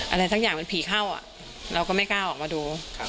อะไรสักอย่างมันผีเข้าเราก็ไม่กล้าออกมาดู